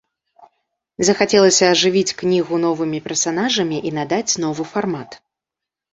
Захацелася ажывіць кнігу новымі персанажамі і надаць новы фармат.